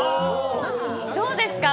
どうですか？